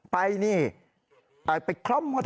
ไปนี่ไปคล่อมรถอาวุธ